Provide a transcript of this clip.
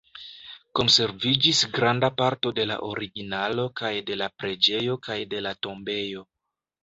Konserviĝis granda parto de la originalo kaj de la preĝejo kaj de la tombejo.